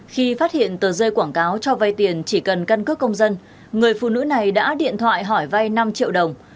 khi phát hiện tờ rơi quảng cáo cho vay tiền chỉ cần căn cước công dân người phụ nữ này đã điện thoại hỏi vay năm triệu đồng